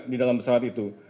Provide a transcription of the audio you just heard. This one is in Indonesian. di dalam pesawat itu